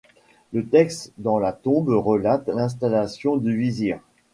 Le texte dans la tombe relate l'installation du vizir.